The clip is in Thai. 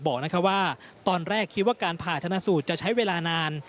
บอกว่าตอนแรกคิดว่าการผ่าธนสูตรจะใช้เวลานาน